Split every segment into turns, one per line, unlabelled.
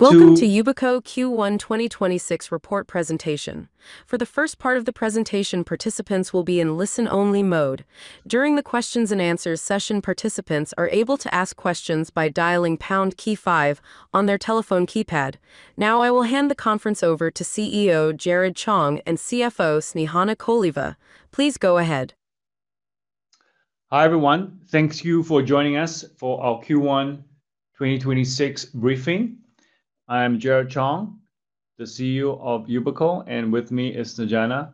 Welcome to Yubico Q1 2026 Report Presentation. For the first part of the presentation, participants will be in listen-only mode. During the questions and answers session, participants are able to ask questions by dialing pound key five on their telephone keypad. Now I will hand the conference over to CEO, Jerrod Chong, and CFO, Snejana Koleva. Please go ahead.
Hi, everyone. Thank you for joining us for our Q1 2026 briefing. I am Jerrod Chong, the CEO of Yubico, and with me is Snejana Koleva.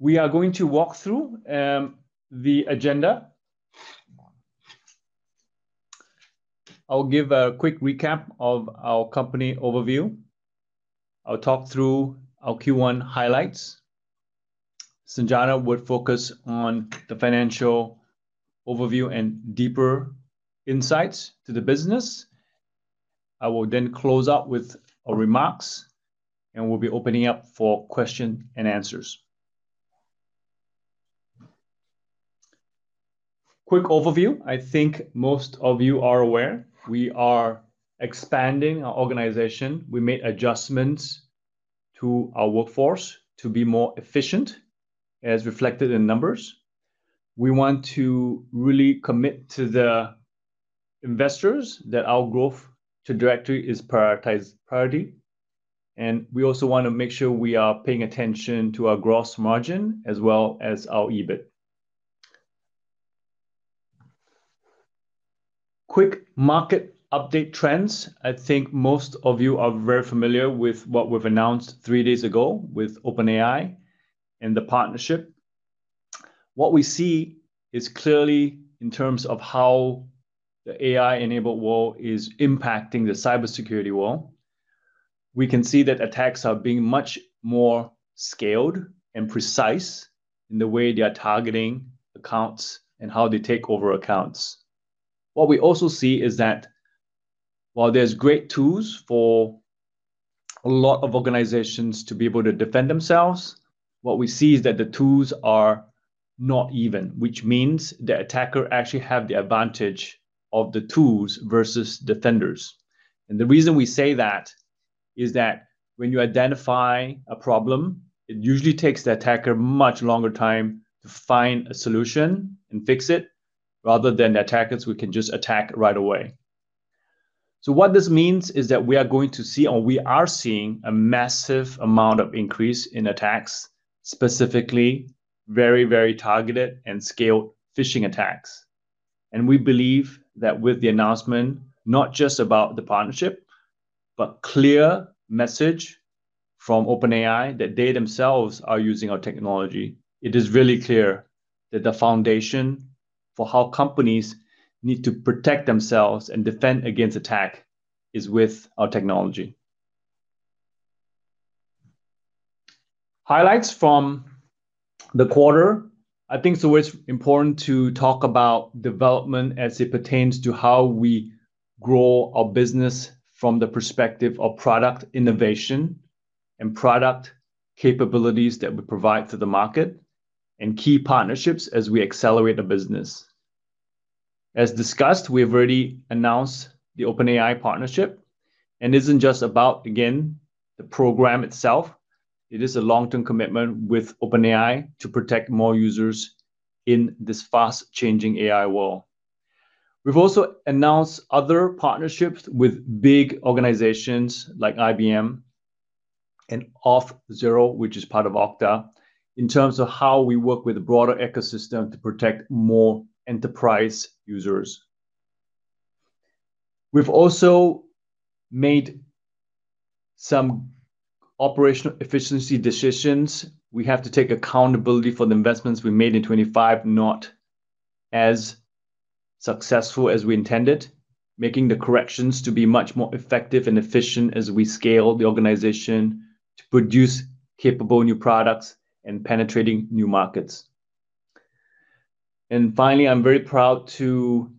We are going to walk through the agenda. I'll give a quick recap of our company overview. I'll talk through our Q1 highlights. Snejana Koleva will focus on the financial overview and deeper insights to the business. I will then close out with our remarks. We'll be opening up for question and answers. Quick overview. I think most of you are aware we are expanding our organization. We made adjustments to our workforce to be more efficient as reflected in numbers. We want to really commit to the investors that our growth to directory is prioritized priority. We also wanna make sure we are paying attention to our gross margin as well as our EBIT. Quick market update trends. I think most of you are very familiar with what we've announced 3 days ago with OpenAI and the partnership. What we see is clearly in terms of how the AI-enabled world is impacting the cybersecurity world. We can see that attacks are being much more scaled and precise in the way they are targeting accounts and how they take over accounts. What we also see is that while there's great tools for a lot of organizations to be able to defend themselves, what we see is that the tools are not even, which means the attackers actually have the advantage of the tools versus defenders. The reason we say that is that when you identify a problem, it usually takes the attacker much longer time to find a solution and fix it rather than the attackers who can just attack right away. What this means is that we are going to see, or we are seeing a massive amount of increase in attacks, specifically very, very targeted and scaled phishing attacks. We believe that with the announcement, not just about the partnership, but clear message from OpenAI that they themselves are using our technology, it is really clear that the foundation for how companies need to protect themselves and defend against attack is with our technology. Highlights from the quarter. I think it's always important to talk about development as it pertains to how we grow our business from the perspective of product innovation and product capabilities that we provide to the market and key partnerships as we accelerate the business. As discussed, we have already announced the OpenAI partnership, it isn't just about, again, the program itself. It is a long-term commitment with OpenAI to protect more users in this fast-changing AI world. We've also announced other partnerships with big organizations like IBM and Auth0, which is part of Okta, in terms of how we work with the broader ecosystem to protect more enterprise users. We've also made some operational efficiency decisions. We have to take accountability for the investments we made in 2025, not as successful as we intended, making the corrections to be much more effective and efficient as we scale the organization to produce capable new products and penetrating new markets. Finally, I'm very proud to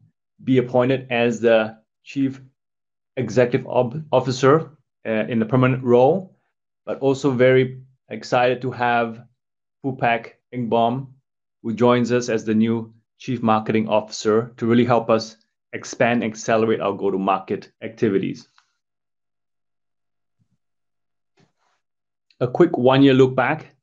be appointed as the Chief Executive Officer in the permanent role, but also very excited to have Poupak Modirassari Enbom, who joins us as the new Chief Marketing Officer to really help us expand and accelerate our go-to-market activities. A quick one-year look back.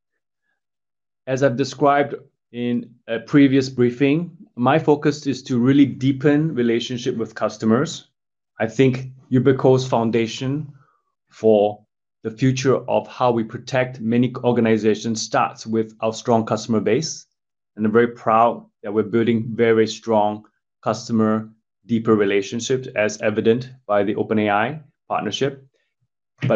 As I've described in a previous briefing, my focus is to really deepen relationship with customers. I think Yubico's foundation for the future of how we protect many organizations starts with our strong customer base, and I'm very proud that we're building very strong customer deeper relationships as evident by the OpenAI partnership.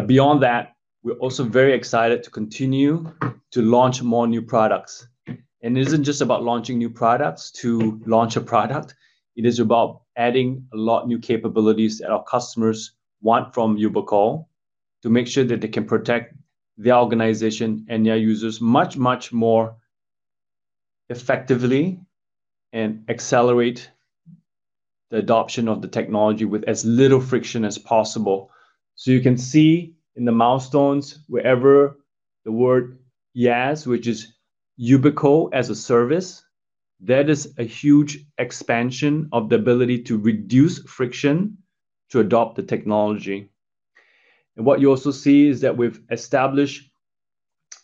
Beyond that, we're also very excited to continue to launch more new products. It isn't just about launching new products to launch a product. It is about adding a lot new capabilities that our customers want from Yubico to make sure that they can protect the organization and their users much more effectively and accelerate the adoption of the technology with as little friction as possible. You can see in the milestones wherever the word YaaS, which is Yubico as a Service. That is a huge expansion of the ability to reduce friction to adopt the technology. What you also see is that we've established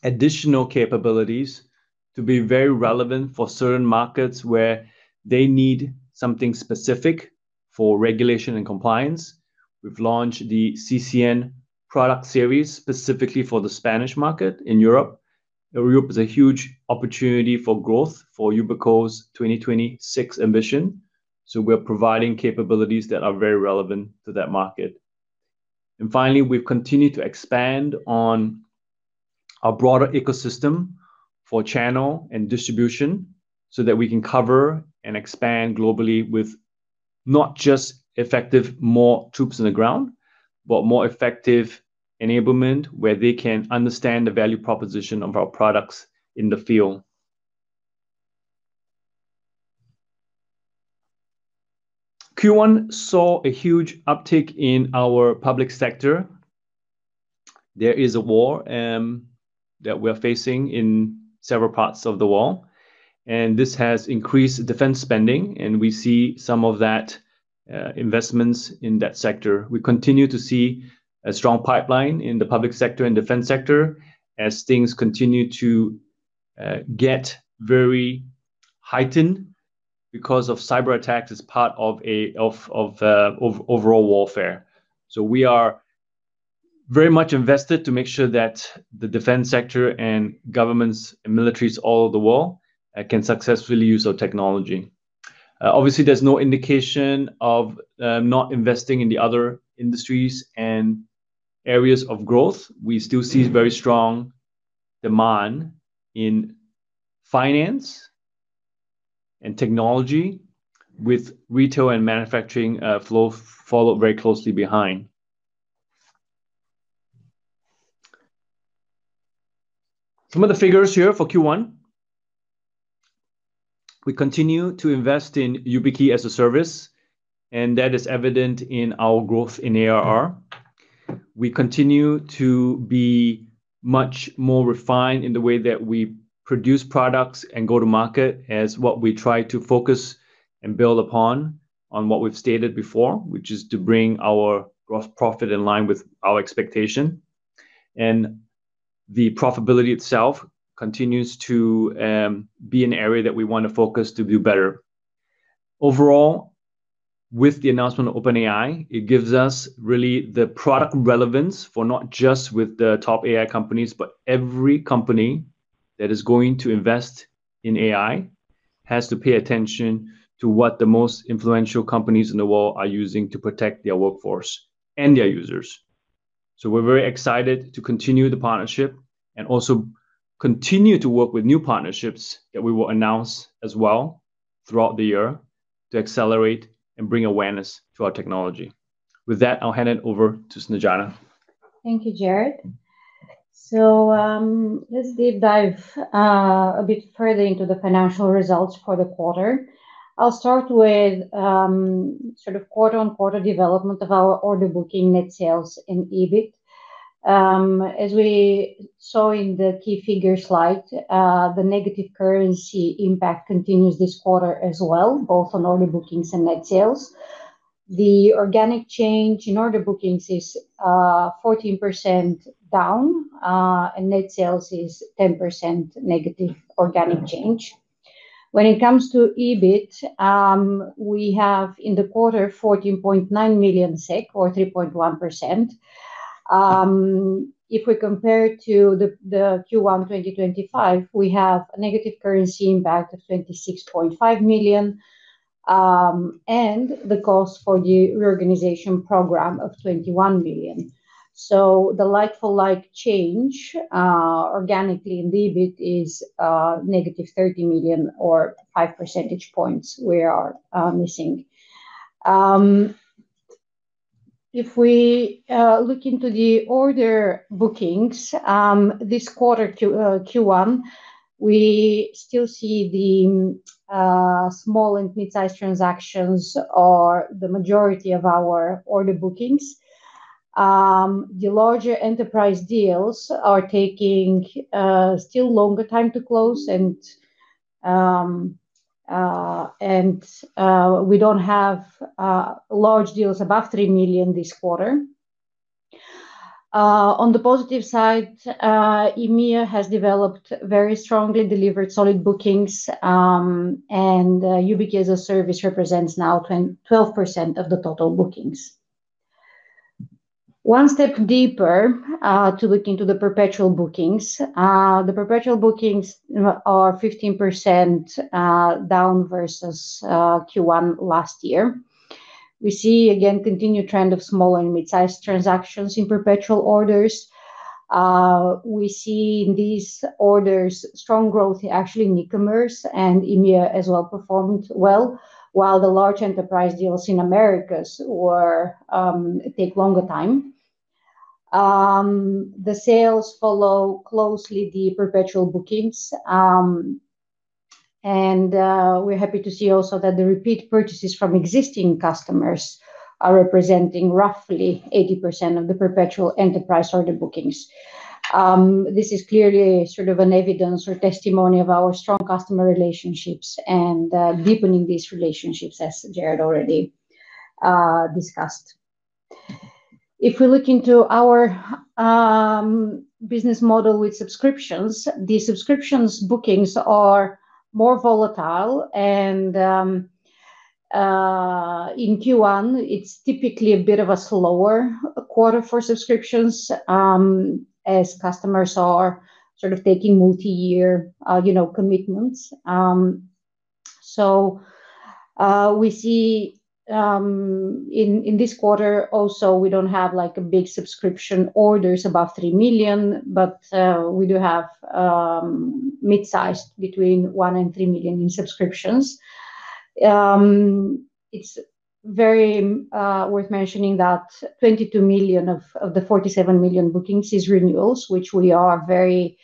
additional capabilities to be very relevant for certain markets where they need something specific for regulation and compliance. We've launched the CCN product series specifically for the Spanish market in Europe. Europe is a huge opportunity for growth for Yubico's 2026 ambition, we're providing capabilities that are very relevant to that market. Finally, we've continued to expand on our broader ecosystem for channel and distribution so that we can cover and expand globally with not just effective more troops on the ground, but more effective enablement where they can understand the value proposition of our products in the field. Q1 saw a huge uptick in our public sector. There is a war that we are facing in several parts of the world, and this has increased defense spending, and we see some of that investments in that sector. We continue to see a strong pipeline in the public sector and defense sector as things continue to get very heightened because of cyberattacks as part of overall warfare. We are very much invested to make sure that the defense sector and governments and militaries all over the world can successfully use our technology. Obviously, there's no indication of not investing in the other industries and areas of growth. We still see very strong demand in finance and technology with retail and manufacturing follow very closely behind. Some of the figures here for Q1. We continue to invest in YubiKey as a Service, that is evident in our growth in ARR. We continue to be much more refined in the way that we produce products and go to market as what we try to focus and build upon on what we've stated before, which is to bring our gross profit in line with our expectation. The profitability itself continues to be an area that we want to focus to do better. Overall, with the announcement of OpenAI, it gives us really the product relevance for not just with the top AI companies, but every company that is going to invest in AI has to pay attention to what the most influential companies in the world are using to protect their workforce and their users. We're very excited to continue the partnership and also continue to work with new partnerships that we will announce as well throughout the year to accelerate and bring awareness to our technology. With that, I'll hand it over to Snejana.
Thank you, Jerrod. Let's deep dive a bit further into the financial results for the quarter. I'll start with sort of quarter-on-quarter development of our order booking net sales and EBIT. As we saw in the key figure slide, the negative currency impact continues this quarter as well, both on order bookings and net sales. The organic change in order bookings is 14% down, and net sales is 10% negative organic change. When it comes to EBIT, we have in the quarter 14.9 million SEK or 3.1%. If we compare to the Q1 2025, we have a negative currency impact of 26.5 million, and the cost for the reorganization program of 21 million. The like-for-like change, organically in EBIT is negative 30 million or 5 percentage points we are missing. If we look into the order bookings, this quarter Q1, we still see the small and midsize transactions are the majority of our order bookings. The larger enterprise deals are taking still longer time to close and we don't have large deals above 3 million this quarter. On the positive side, EMEA has developed very strongly, delivered solid bookings, and YubiKey as a Service represents now 12% of the total bookings. One step deeper, to look into the perpetual bookings. The perpetual bookings are 15% down versus Q1 last year. We see again continued trend of small and midsize transactions in perpetual orders. We see in these orders strong growth actually in e-commerce and EMEA as well performed well, while the large enterprise deals in Americas were take longer time. The sales follow closely the perpetual bookings, and we're happy to see also that the repeat purchases from existing customers are representing roughly 80% of the perpetual enterprise order bookings. This is clearly sort of an evidence or testimony of our strong customer relationships and deepening these relationships, as Jerrod already discussed. If we look into our business model with subscriptions, the subscriptions bookings are more volatile and in Q1 it's typically a bit of a slower quarter for subscriptions, as customers are sort of taking multi-year, you know, commitments. We see in this quarter also we don't have a big subscription orders above 3 million, we do have mid-sized between 1 million and 3 million in subscriptions. It's very worth mentioning that 22 million of the 47 million bookings is renewals, which we are very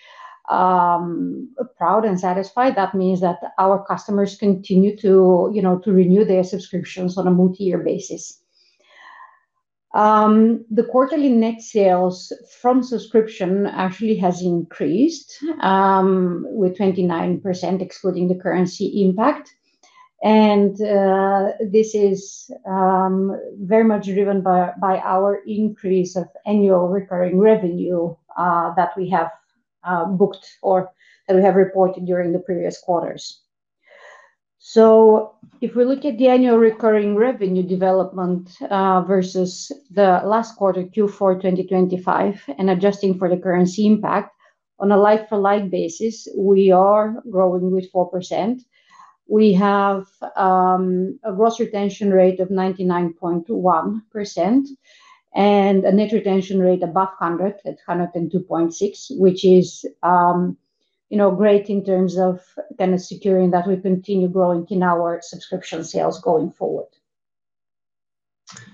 proud and satisfied. That means that our customers continue to, you know, to renew their subscriptions on a multi-year basis. The quarterly net sales from subscription actually has increased with 29% excluding the currency impact, this is very much driven by our increase of annual recurring revenue that we have booked or that we have reported during the previous quarters. If we look at the annual recurring revenue development, versus the last quarter, Q4 2025, and adjusting for the currency impact, on a like-for-like basis we are growing with 4%. We have a gross retention rate of 99.1% and a net retention rate above 100, at 102.6, which is, you know, great in terms of kind of securing that we continue growing in our subscription sales going forward.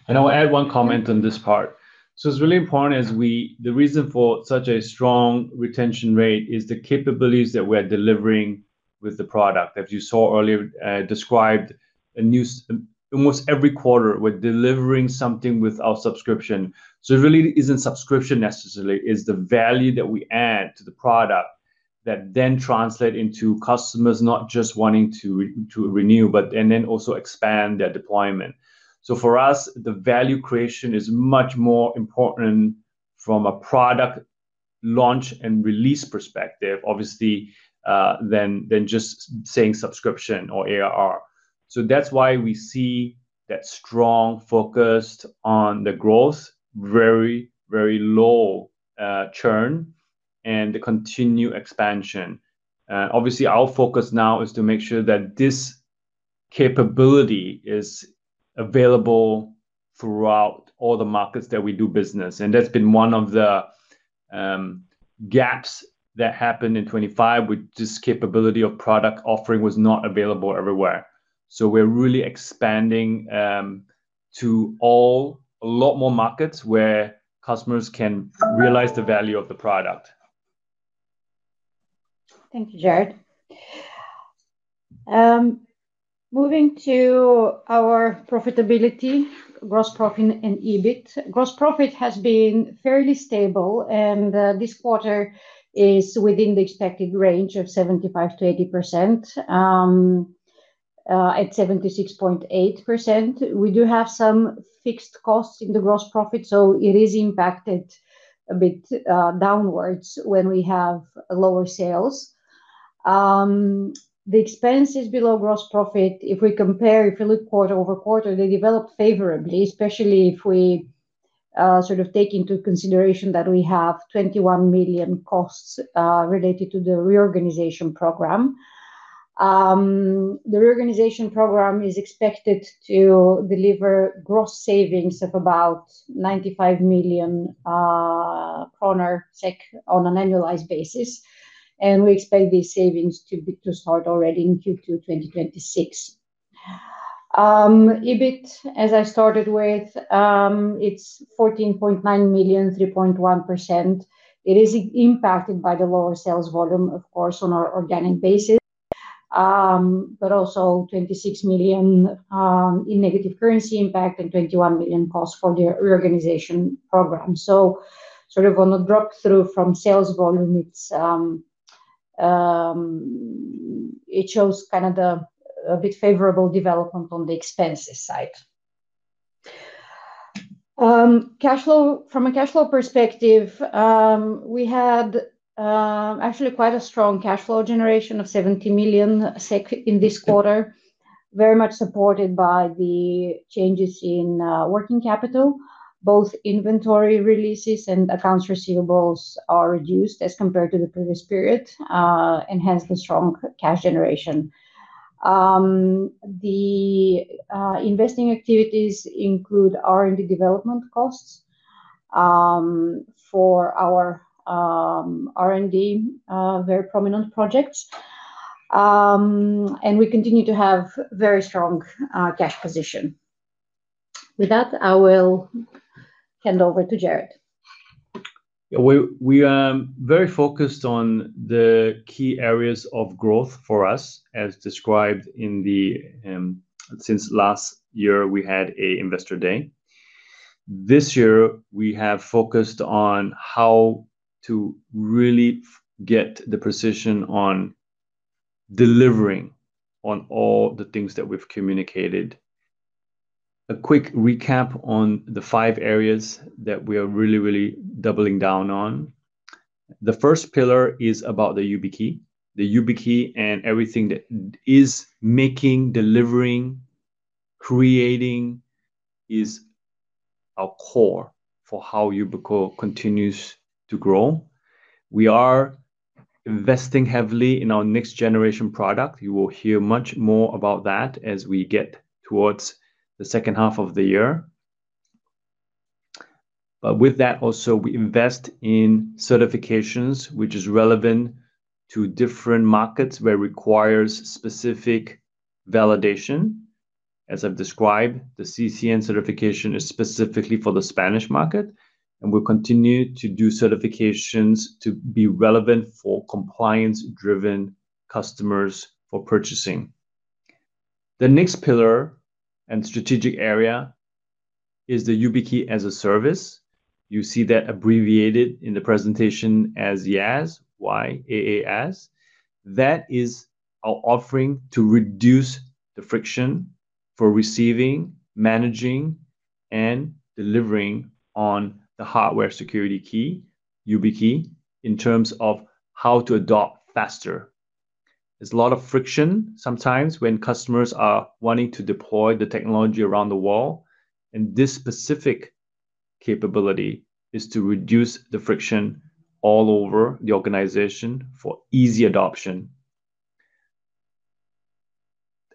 I will add one comment on this part. It's really important as the reason for such a strong retention rate is the capabilities that we're delivering with the product. As you saw earlier, described, a new almost every quarter we're delivering something with our subscription. It really isn't subscription necessarily, it's the value that we add to the product that then translate into customers not just wanting to renew, but and then also expand their deployment. For us, the value creation is much more important from a product launch and release perspective, obviously, than just saying subscription or ARR. That's why we see that strong focus on the growth, very low churn and the continued expansion. Obviously our focus now is to make sure that this capability is available throughout all the markets that we do business, and that's been one of the gaps that happened in 2025, with this capability of product offering was not available everywhere. We're really expanding to a lot more markets where customers can realize the value of the product.
Thank you, Jerrod. Moving to our profitability, gross profit and EBIT. Gross profit has been fairly stable, this quarter is within the expected range of 75%-80%, at 76.8%. We do have some fixed costs in the gross profit, so it is impacted a bit downwards when we have lower sales. The expenses below gross profit, if we compare, if you look quarter-over-quarter, they developed favorably, especially if we sort of take into consideration that we have 21 million costs related to the reorganization program. The reorganization program is expected to deliver gross savings of about 95 million kronor on an annualized basis, and we expect these savings to start already in Q2 2026. EBIT, as I started with, it is 14.9 million, 3.1%. It is impacted by the lower sales volume, of course, on our organic basis, but also 26 million in negative currency impact and 21 million cost for the reorganization program. Sort of on a drop-through from sales volume, it shows kind of a bit favorable development on the expenses side. Cash flow. From a cash flow perspective, we had actually quite a strong cash flow generation of 70 million SEK in this quarter, very much supported by the changes in working capital. Both inventory releases and accounts receivables are reduced as compared to the previous period, and hence the strong cash generation. The investing activities include R&D development costs for our R&D very prominent projects. We continue to have very strong cash position. With that, I will hand over to Jerrod.
We are very focused on the key areas of growth for us, as described in the, since last year we had a investor day. This year we have focused on how to really get the precision on delivering on all the things that we've communicated. A quick recap on the five areas that we are really doubling down on. The first pillar is about the YubiKey. The YubiKey and everything that is making, delivering, creating is our core for how Yubico continues to grow. We are investing heavily in our next generation product. You will hear much more about that as we get towards the second half of the year. With that also, we invest in certifications, which is relevant to different markets where it requires specific validation. As I've described, the CCN certification is specifically for the Spanish market, and we'll continue to do certifications to be relevant for compliance-driven customers for purchasing. The next pillar and strategic area is the YubiKey as a Service. You see that abbreviated in the presentation as YaaS, Y-A-A-S. That is our offering to reduce the friction for receiving, managing, and delivering on the hardware security key, YubiKey, in terms of how to adopt faster. There's a lot of friction sometimes when customers are wanting to deploy the technology around the world, and this specific capability is to reduce the friction all over the organization for easy adoption.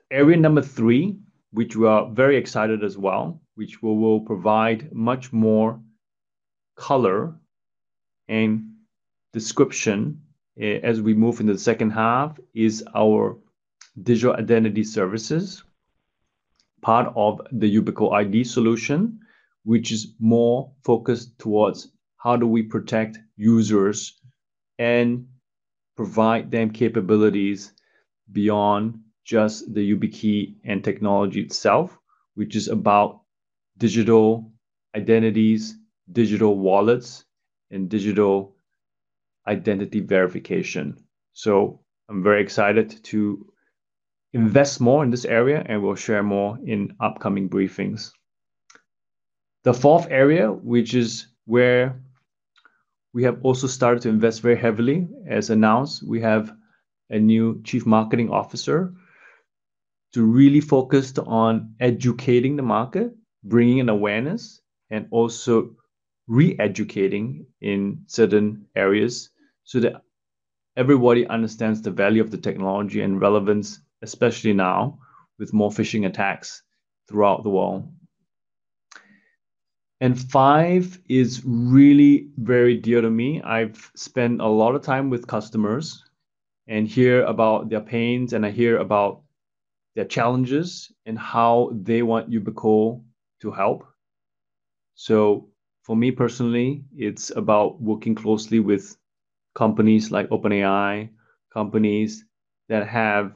Area number 3, which we are very excited as well, which we will provide much more color and description as we move into the 2nd half, is our digital identity services, part of the Yubico ID solution, which is more focused towards how do we protect users and provide them capabilities beyond just the YubiKey and technology itself, which is about digital identities, digital wallets, and digital identity verification. I'm very excited to invest more in this area, and we'll share more in upcoming briefings. The 4th area, which is where we have also started to invest very heavily. As announced, we have a new Chief Marketing Officer to really focus on educating the market, bringing an awareness, and also re-educating in certain areas so that everybody understands the value of the technology and relevance, especially now with more phishing attacks throughout the world. Five is really very dear to me. I've spent a lot of time with customers and hear about their pains, and I hear about their challenges and how they want Yubico to help. For me personally, it's about working closely with companies like OpenAI, companies that have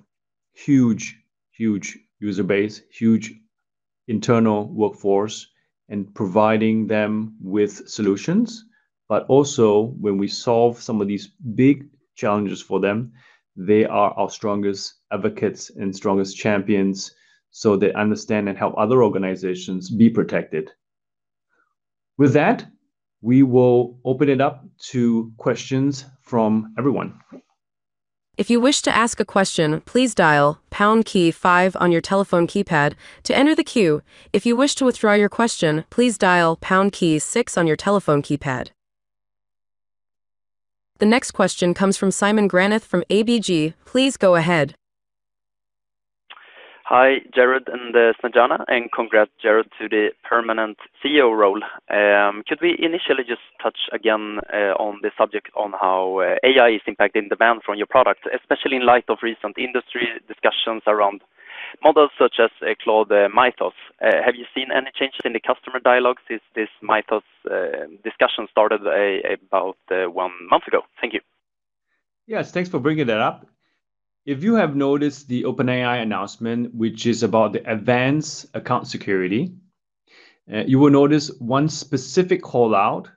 huge user base, huge internal workforce, and providing them with solutions. Also, when we solve some of these big challenges for them, they are our strongest advocates and strongest champions, so they understand and help other organizations be protected. With that, we will open it up to questions from everyone.
The next question comes from Simon Granath from ABG. Please go ahead.
Hi, Jerrod and Snejana, and congrats, Jerrod, to the permanent CEO role. Could we initially just touch again on the subject on how AI is impacting demand from your product, especially in light of recent industry discussions around models such as Claude Opus. Have you seen any changes in the customer dialogue since this Opus discussion started about 1 month ago? Thank you.
Yes. Thanks for bringing that up. If you have noticed the OpenAI announcement, which is about the Advanced Account Security, you will notice one specific call-out,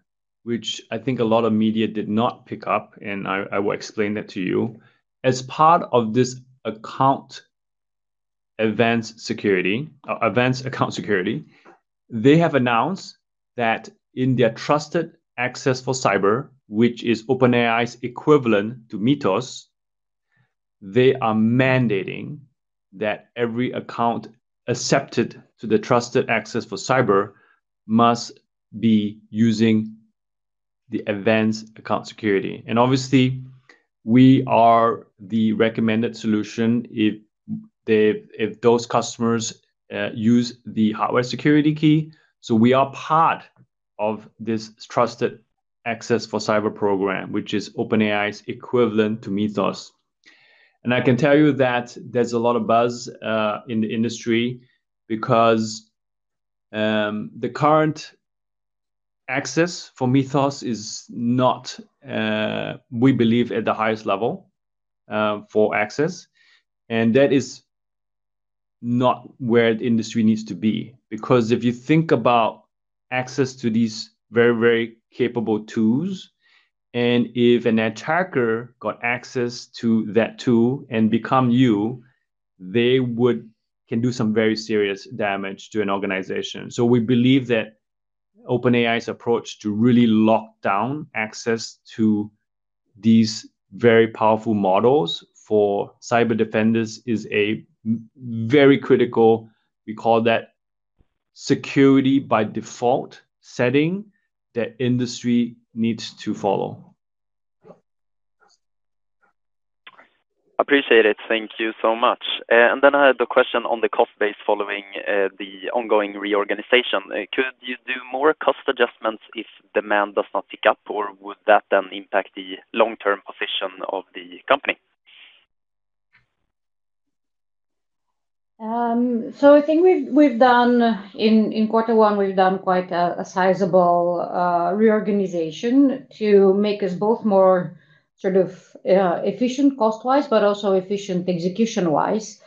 which I think a lot of media did not pick up, I will explain that to you. As part of this Advanced Account Security, they have announced that in their Trusted Access for Cyber, which is OpenAI's equivalent to Opus, they are mandating that every account accepted to the Trusted Access for Cyber must be using the Advanced Account Security. Obviously, we are the recommended solution if those customers use the hardware security key. We are part of this Trusted Access for Cyber program, which is OpenAI's equivalent to Opus. I can tell you that there's a lot of buzz in the industry because the current access for Opus is not, we believe, at the highest level for access, and that is not where the industry needs to be. If you think about access to these very, very capable tools, and if an attacker got access to that tool and become you, they can do some very serious damage to an organization. We believe that OpenAI's approach to really lock down access to these very powerful models for cyber defenders is a very critical, we call that security by default setting that industry needs to follow.
Appreciate it. Thank you so much. Then I had a question on the cost base following the ongoing reorganization. Could you do more cost adjustments if demand does not pick up? Would that then impact the long-term position of the company?
I think we've done in Q1, we've done quite a sizable reorganization to make us both more sort of efficient cost-wise, but also efficient execution-wise.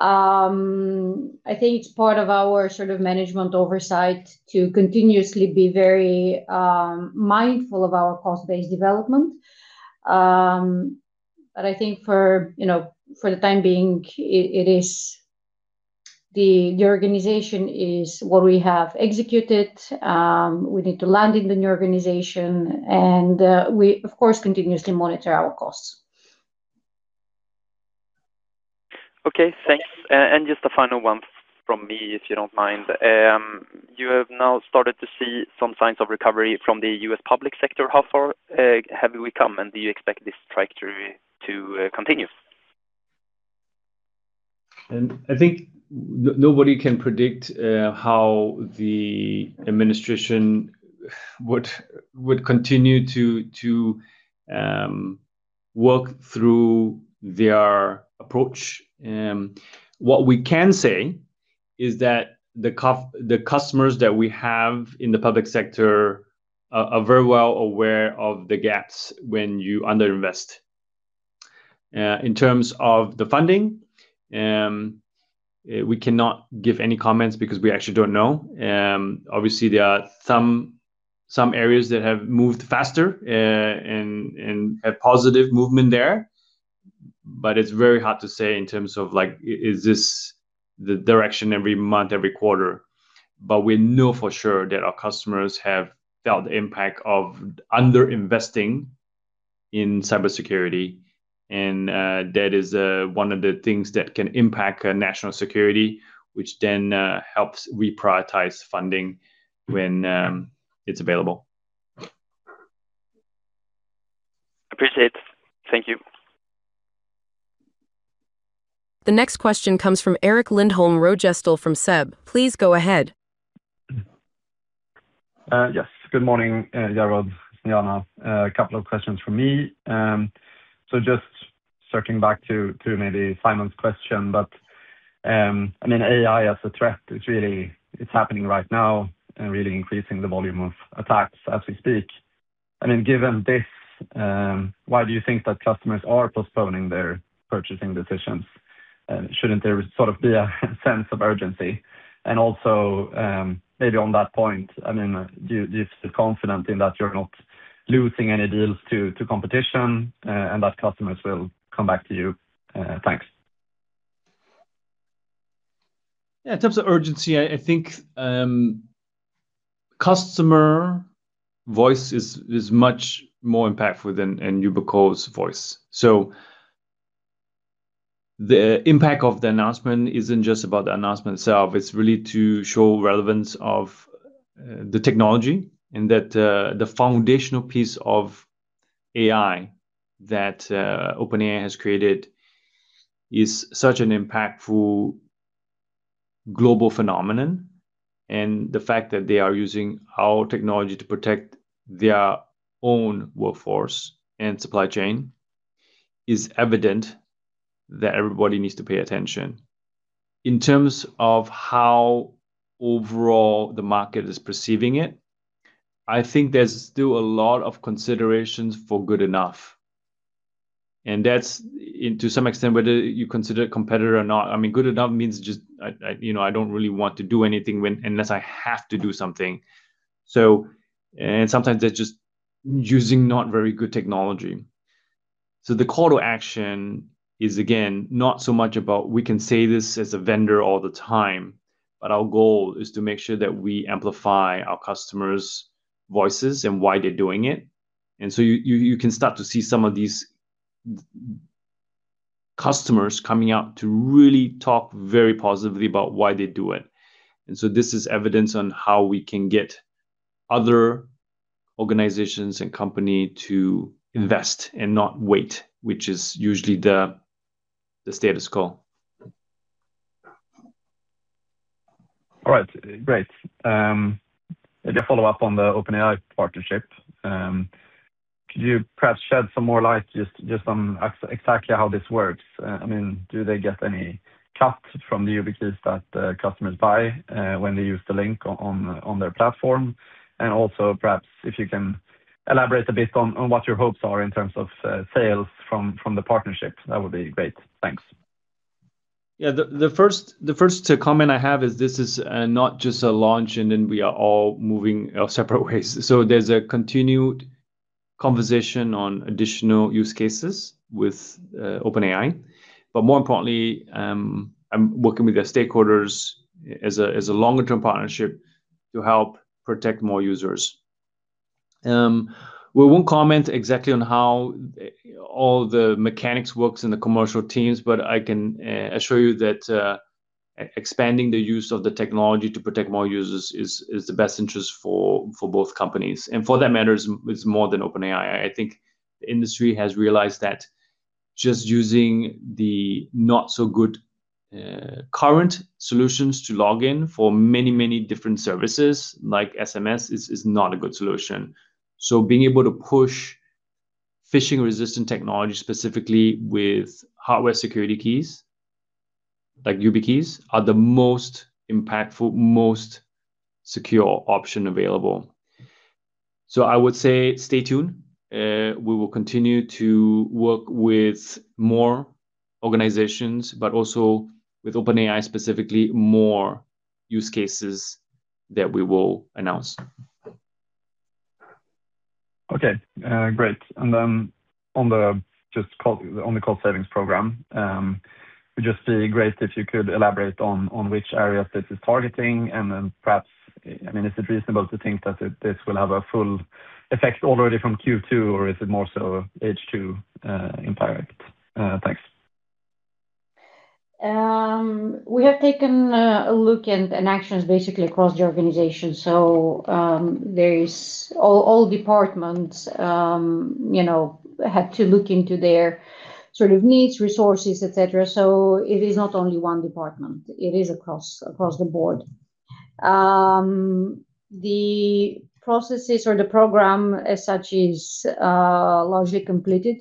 I think it's part of our sort of management oversight to continuously be very mindful of our cost base development. I think for, you know, for the time being, it is the organization is what we have executed. We need to land in the new organization. We of course, continuously monitor our costs.
Okay, thanks. Just a final one from me, if you don't mind. You have now started to see some signs of recovery from the U.S. public sector. How far have we come, and do you expect this trajectory to continue?
I think nobody can predict how the administration would continue to work through their approach. What we can say is that the customers that we have in the public sector are very well aware of the gaps when you under invest. In terms of the funding, we cannot give any comments because we actually don't know. Obviously there are some areas that have moved faster and have positive movement there. It's very hard to say in terms of like, is this the direction every month, every quarter. We know for sure that our customers have felt the impact of under investing in cybersecurity. That is one of the things that can impact national security, which helps reprioritize funding when it's available.
Appreciate it. Thank you.
The next question comes from Erik Lindholm-Röjestål from SEB. Please go ahead.
Yes. Good morning, Jerrod, Snejana. A couple of questions from me. Just circling back to Simon Granath's question, but AI as a threat is really, it's happening right now and really increasing the volume of attacks as we speak. Given this, why do you think that customers are postponing their purchasing decisions? Shouldn't there sort of be a sense of urgency? Maybe on that point, do you feel confident in that you're not losing any deals to competition and that customers will come back to you? Thanks.
Yeah, in terms of urgency, I think customer voice is much more impactful than Yubico's voice. The impact of the announcement isn't just about the announcement itself, it's really to show relevance of the technology and that the foundational piece of AI that OpenAI has created is such an impactful global phenomenon. The fact that they are using our technology to protect their own workforce and supply chain is evident that everybody needs to pay attention. In terms of how overall the market is perceiving it, I think there's still a lot of considerations for good enough, and that's to some extent whether you consider a competitor or not. I mean, good enough means just I, you know, I don't really want to do anything unless I have to do something. Sometimes that's just using not very good technology. The call to action is, again, not so much about we can say this as a vendor all the time, but our goal is to make sure that we amplify our customers' voices and why they're doing it. You can start to see some of these customers coming out to really talk very positively about why they do it. This is evidence on how we can get other organizations and company to invest and not wait, which is usually the status quo.
All right. Great. Maybe a follow-up on the OpenAI partnership. Could you perhaps shed some more light, exactly how this works? I mean, do they get any cut from the YubiKeys that customers buy when they use the link on their platform? Also perhaps if you can elaborate a bit on what your hopes are in terms of sales from the partnership, that would be great. Thanks.
Yeah, the first comment I have is this is not just a launch and then we are all moving our separate ways. There's a continued conversation on additional use cases with OpenAI. More importantly, I'm working with their stakeholders as a longer term partnership to help protect more users. We won't comment exactly on how all the mechanics works in the commercial teams, but I can assure you that expanding the use of the technology to protect more users is the best interest for both companies. For that matter, is more than OpenAI. I think the industry has realized that just using the not so good current solutions to log in for many different services like SMS is not a good solution. Being able to push phishing-resistant technology, specifically with hardware security keys, like YubiKeys, are the most impactful, most secure option available. I would say stay tuned. We will continue to work with more organizations, but also with OpenAI specifically, more use cases that we will announce.
Okay. Great. On the cost savings program, it'd just be great if you could elaborate on which areas this is targeting and then perhaps, I mean, is it reasonable to think that this will have a full effect already from Q2, or is it more so H2 impact? Thanks.
We have taken a look and actions basically across the organization. There is all departments, you know, had to look into their sort of needs, resources, et cetera. It is not only one department, it is across the board. The processes or the program as such is largely completed,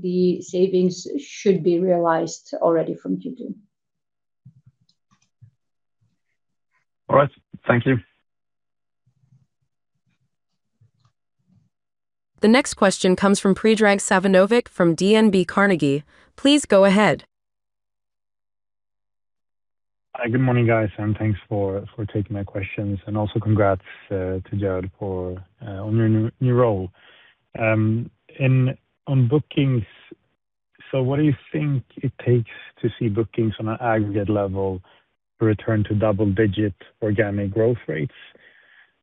the savings should be realized already from Q2.
All right. Thank you.
The next question comes from Predrag Savinovic from DNB Carnegie. Please go ahead.
Hi. Good morning, guys, thanks for taking my questions. Also congrats to Jerrod for on your new role. On bookings, what do you think it takes to see bookings on an aggregate level return to double-digit organic growth rates?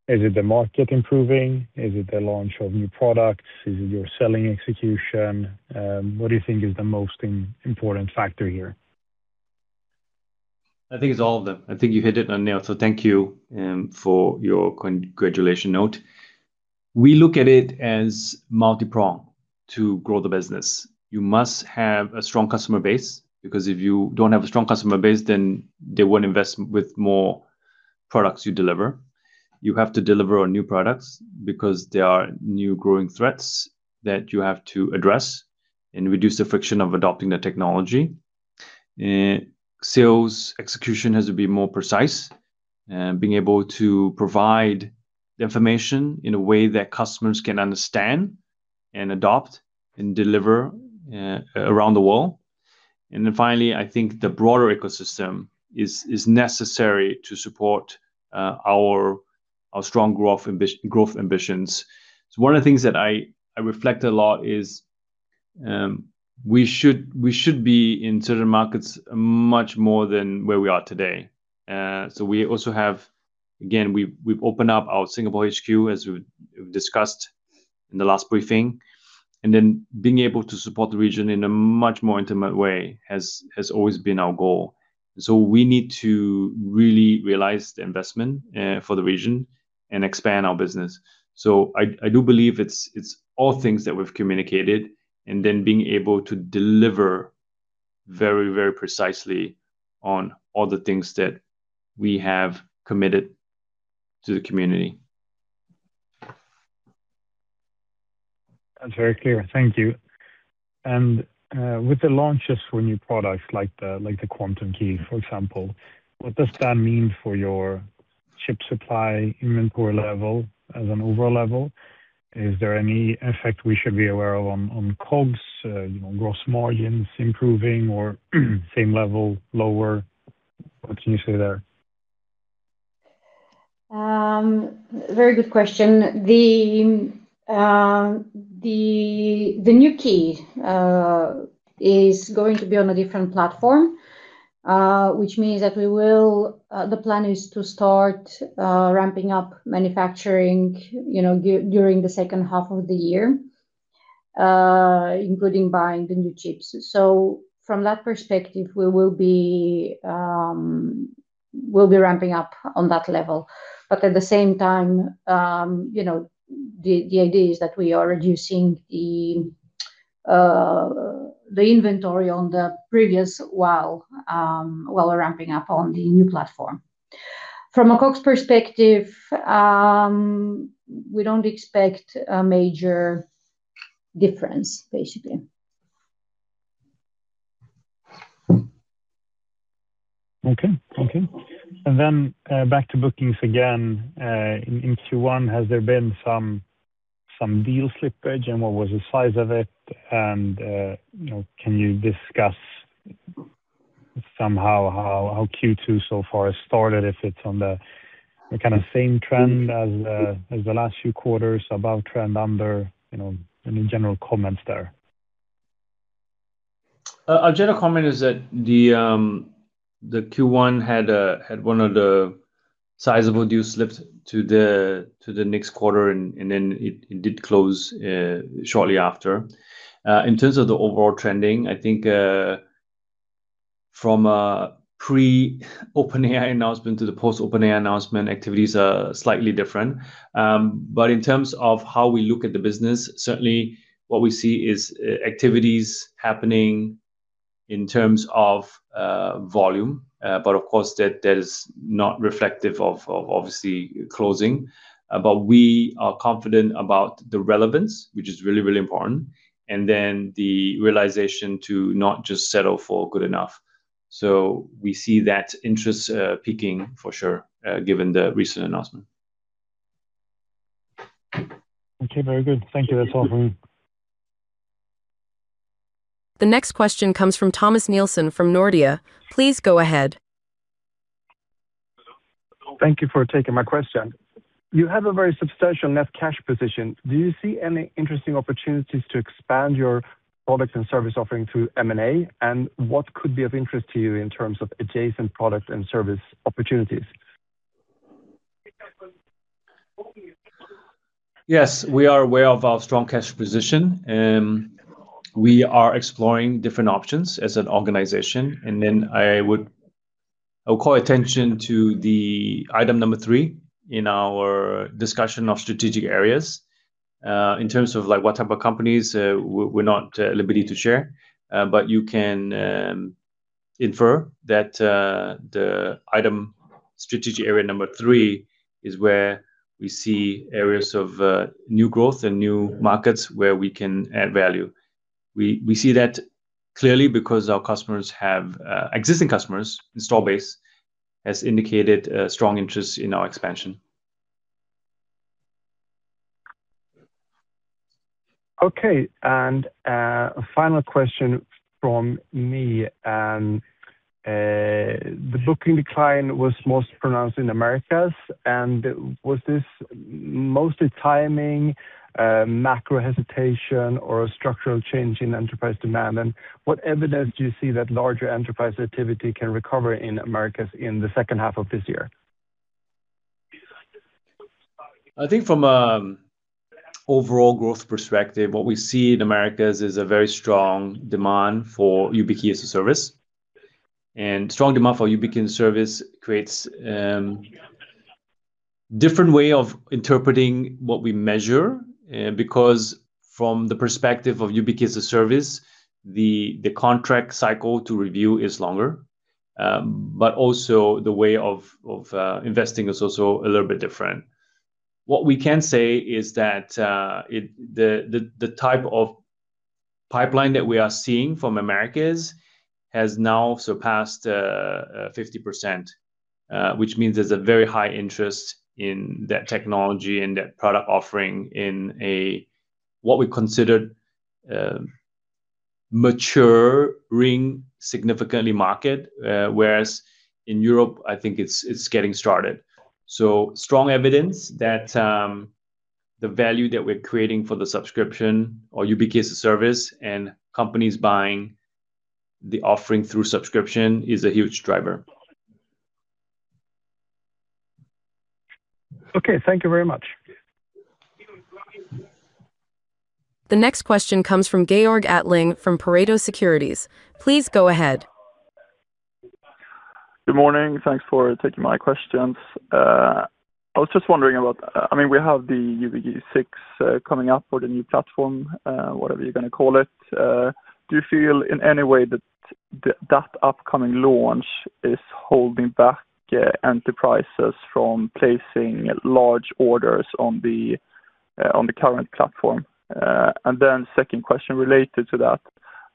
Is it the market improving? Is it the launch of new products? Is it your selling execution? What do you think is the most important factor here?
I think it's all of them. I think you hit it on nail. Thank you for your congratulation note. We look at it as multi-pronged to grow the business. You must have a strong customer base, because if you don't have a strong customer base, then they won't invest with more products you deliver. You have to deliver on new products because there are new growing threats that you have to address and reduce the friction of adopting the technology. Sales execution has to be more precise, being able to provide the information in a way that customers can understand and adopt and deliver around the world. Finally, I think the broader ecosystem is necessary to support our strong growth ambitions. One of the things that I reflect a lot is, we should be in certain markets much more than where we are today. We also have, again, we've opened up our Singapore HQ, as we discussed in the last briefing. Being able to support the region in a much more intimate way has always been our goal. We need to really realize the investment for the region and expand our business. I do believe it's all things that we've communicated and then being able to deliver very precisely on all the things that we have committed to the community.
That's very clear. Thank you. With the launches for new products like the quantum key, for example, what does that mean for your chip supply inventory level as an overall level? Is there any effect we should be aware of on COGS, you know, gross margins improving or same level, lower? What can you say there?
Very good question. The, the new key is going to be on a different platform, which means that we will, the plan is to start ramping up manufacturing, you know, during the second half of the year, including buying the new chips. From that perspective, we will be, we'll be ramping up on that level. At the same time, you know, the idea is that we are reducing the inventory on the previous while ramping up on the new platform. From a COGS perspective, we don't expect a major difference, basically.
Okay. Okay. Then, back to bookings again. In Q1, has there been some deal slippage, and what was the size of it? You know, can you discuss somehow how Q2 so far has started, if it's on the kind of same trend as the last few quarters, above trend, under? You know, any general comments there?
Our general comment is that the Q1 had one of the sizable deal slips to the next quarter and then it did close shortly after. In terms of the overall trending, I think, from a pre-OpenAI announcement to the post-OpenAI announcement, activities are slightly different. In terms of how we look at the business, certainly what we see is activities happening in terms of volume. Of course that is not reflective of obviously closing. We are confident about the relevance, which is really important, and then the realization to not just settle for good enough. We see that interest peaking for sure, given the recent announcement.
Okay. Very good. Thank you. That's all from me.
The next question comes from Thomas Nielsen from Nordea. Please go ahead.
Thank you for taking my question. You have a very substantial net cash position. Do you see any interesting opportunities to expand your products and service offering through M&A? What could be of interest to you in terms of adjacent products and service opportunities?
Yes, we are aware of our strong cash position. We are exploring different options as an organization. I'll call attention to the item number 3 in our discussion of strategic areas. In terms of what type of companies, we're not at liberty to share. You can infer that the item strategy area number 3 is where we see areas of new growth and new markets where we can add value. We see that clearly because our customers have existing customers, install base, has indicated a strong interest in our expansion.
Okay. A final question from me. The booking decline was most pronounced in Americas. Was this mostly timing, macro hesitation, or a structural change in enterprise demand? What evidence do you see that larger enterprise activity can recover in Americas in the second half of this year?
I think from an overall growth perspective, what we see in Americas is a very strong demand for YubiKey as a Service. Strong demand for YubiKey as a Service creates a different way of interpreting what we measure, because from the perspective of YubiKey as a Service, the contract cycle to review is longer. Also, the way of investing is also a little bit different. What we can say is that the type of pipeline that we are seeing from Americas has now surpassed 50%, which means there's a very high interest in that technology and that product offering in a what we considered maturing significantly market. Whereas in Europe, I think it's getting started. Strong evidence that the value that we're creating for the subscription or YubiKey as a Service and companies buying the offering through subscription is a huge driver.
Okay. Thank you very much.
The next question comes from Georg Attling from Pareto Securities. Please go ahead.
Good morning. Thanks for taking my questions. I was just wondering about, I mean, we have the YubiKey 6 coming up or the new platform, whatever you're gonna call it. Do you feel in any way that that upcoming launch is holding back enterprises from placing large orders on the current platform? Second question related to that,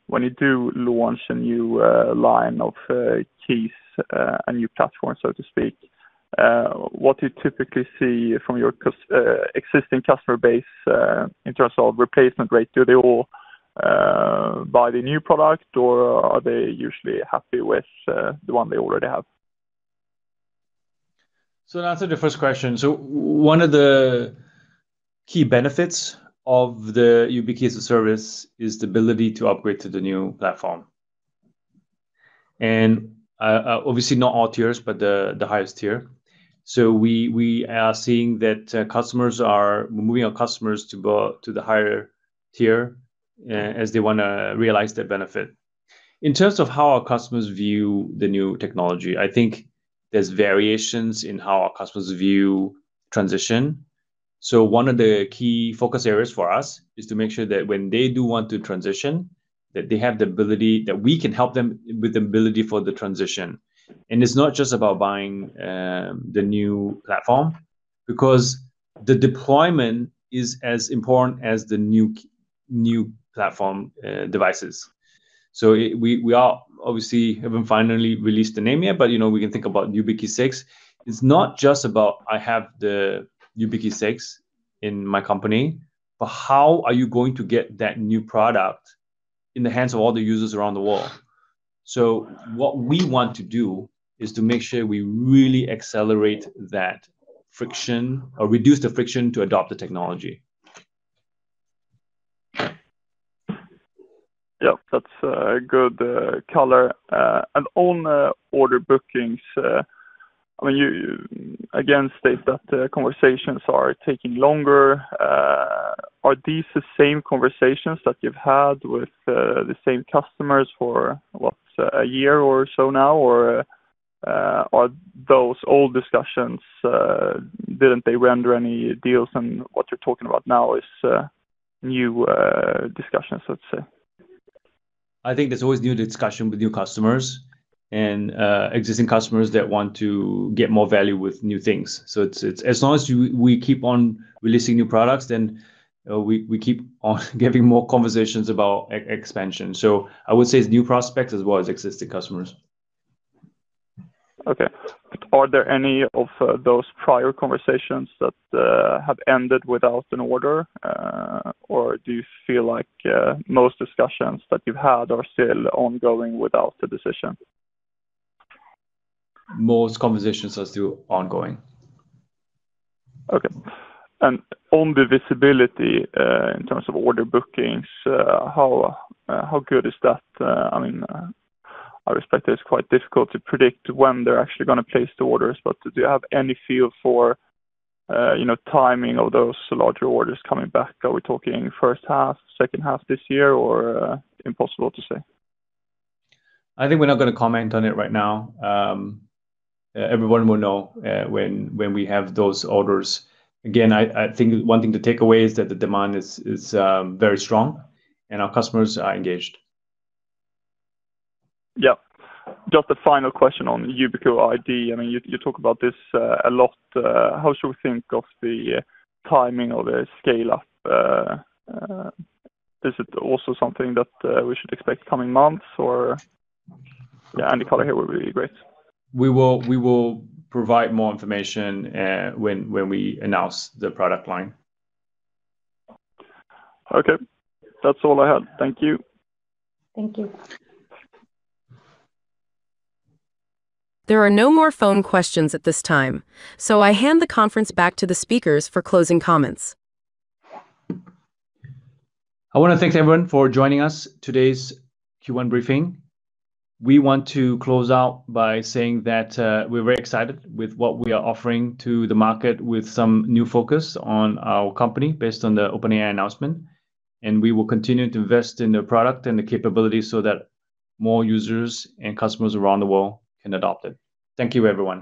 when you do launch a new line of keys, a new platform, so to speak, what do you typically see from your existing customer base in terms of replacement rate? Do they all buy the new product, or are they usually happy with the one they already have?
To answer the first question. One of the key benefits of the YubiKey as a Service is the ability to upgrade to the new platform. Obviously not all tiers, but the highest tier. We are seeing that we're moving our customers to go to the higher tier as they wanna realize that benefit. In terms of how our customers view the new technology, I think there's variations in how our customers view transition. One of the key focus areas for us is to make sure that when they do want to transition, that they have the ability, that we can help them with the ability for the transition. It's not just about buying the new platform. The deployment is as important as the new platform devices. It, we are obviously haven't finally released the name yet, but, you know, we can think about YubiKey 6. It's not just about I have the YubiKey 6 in my company, but how are you going to get that new product in the hands of all the users around the world? What we want to do is to make sure we really accelerate that friction or reduce the friction to adopt the technology.
Yeah, that's a good color. On order bookings, I mean, you again state that conversations are taking longer. Are these the same conversations that you've had with the same customers for what? A year or so now or are those old discussions, didn't they render any deals and what you're talking about now is new discussions, let's say?
I think there's always new discussion with new customers and existing customers that want to get more value with new things. As long as we keep on releasing new products, then we keep on getting more conversations about expansion. I would say it's new prospects as well as existing customers.
Okay. Are there any of those prior conversations that have ended without an order? Do you feel like most discussions that you've had are still ongoing without a decision?
Most conversations are still ongoing.
Okay. On the visibility, in terms of order bookings, how good is that? I mean, I respect it's quite difficult to predict when they're actually gonna place the orders, but do you have any feel for, you know, timing of those larger orders coming back? Are we talking first half, second half this year, or impossible to say?
I think we're not gonna comment on it right now. Everyone will know, when we have those orders. Again, I think one thing to take away is that the demand is very strong and our customers are engaged.
Just a final question on YubiKey. I mean, you talk about this a lot. How should we think of the timing of the scale up? Is it also something that we should expect coming months or? Any color here would be really great.
We will provide more information, when we announce the product line.
Okay. That's all I had. Thank you.
Thank you.
There are no more phone questions at this time, so I hand the conference back to the speakers for closing comments.
I want to thank everyone for joining us today's Q1 briefing. We want to close out by saying that we're very excited with what we are offering to the market with some new focus on our company based on the OpenAI announcement, and we will continue to invest in the product and the capability so that more users and customers around the world can adopt it. Thank you, everyone.